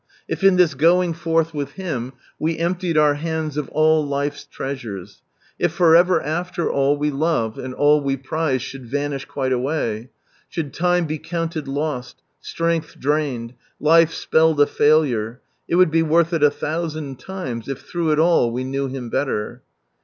If in this going forth with Him we emptied our hands of all life's treasures ; if for ever after all we love, and all we prize should vanish quite away ; should time be counted lost, strength drained, life "spelled a failure," it would be worth it a thousand limes, if through it all we knew Him better